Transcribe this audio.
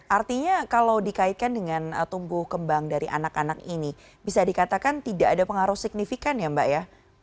artinya kalau dikaitkan dengan tumbuh kembang dari anak anak ini bisa dikatakan tidak ada pengaruh signifikan ya mbak ya